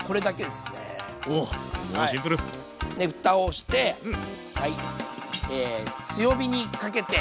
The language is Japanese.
でふたをして。